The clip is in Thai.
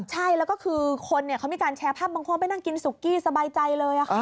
ใช่แล้วก็คือคนเขามีการแชร์ภาพบางคนไปนั่งกินสุกี้สบายใจเลย